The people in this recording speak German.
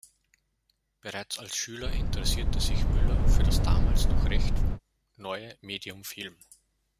Bereits als Schüler interessierte sich Müller für das damals noch recht neue Medium Film.